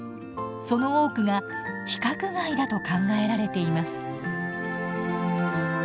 その多くが規格外だと考えられています。